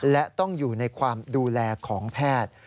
และต้องอยู่ในความดูแลของแพทย์